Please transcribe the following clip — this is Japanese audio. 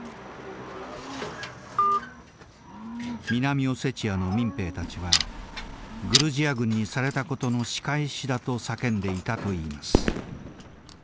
南オセチアの民兵たちは「グルジア軍にされたことの仕返しだ」と叫んでいたと言います。